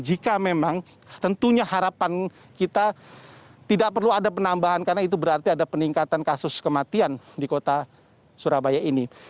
jika memang tentunya harapan kita tidak perlu ada penambahan karena itu berarti ada peningkatan kasus kematian di kota surabaya ini